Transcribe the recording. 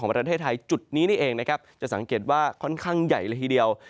ของประเทศไทยจุดนี้เองจะสังเกตว่าค่อนข้างใหญ่ละทีเดียว